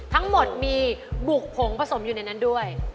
ทั้งหมดมีบุกผงผสมอยู่ในนั้นด้วย